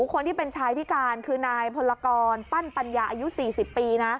คนที่เป็นชายพิการคือนายพลกรปั้นปัญญาอายุ๔๐ปี